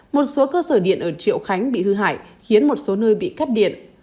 một số cơ sở điện ở triệu khánh bị hư hại khiến một số nơi bị cắt điện